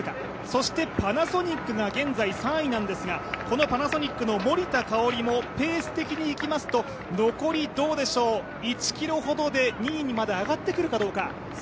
そしてパナソニックが現在３位なんですがこのパナソニックの森田香織もペース的にいきますと残り１ｋｍほどで２位にまで上がってくるかどうか。